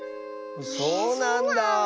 そうなんだあ。